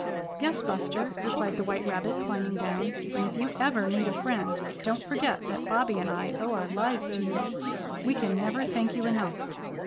"Yes, Buster," replied the white rabbit, climbing down. "And if you ever need a friend, don't forget that Bobby and I owe our lives to you. We can never thank you enough."